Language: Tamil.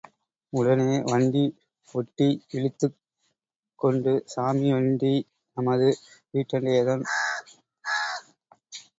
உடனே வண்டி ஒட்டி விழித்துக் கொண்டு சாமி வண்டி நமது வீட்டண்டையேதான் ஒடிக்கிட்டிருக்கு, மன்னிக்கணும்.